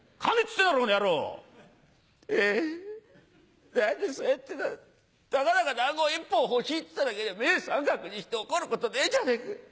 「えん何でそうやってさたかだか団子１本欲しいっつっただけで目三角にして怒ることねえじゃねぇか。